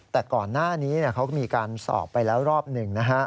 แต่ก่อนหน้านี้เขาก็มีการสอบไปแล้วรอบหนึ่งนะฮะ